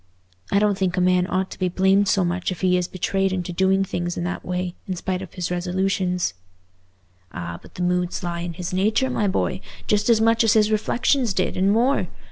I don't think a man ought to be blamed so much if he is betrayed into doing things in that way, in spite of his resolutions." "Ah, but the moods lie in his nature, my boy, just as much as his reflections did, and more.